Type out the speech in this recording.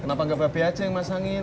kenapa gak berbe aja yang pasangin